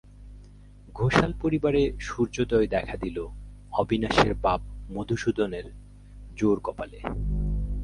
ঘোষাল-পরিবারে সূর্যোদয় দেখা দিল অবিনাশের বাপ মধুসূদনের জোর কপালে।